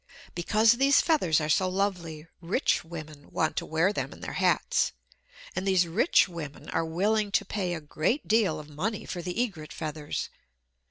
Because these feathers are so lovely, rich women want to wear them in their hats; and these rich women are willing to pay a great deal of money for the egret feathers.